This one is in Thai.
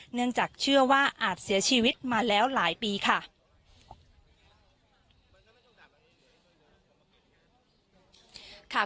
เนื่องจากเชื่อว่าอาจเสียชีวิตมาแล้วหลายปีค่ะ